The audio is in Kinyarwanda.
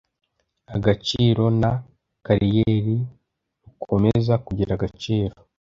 agaciro na kariyeri rukomeza kugira agaciro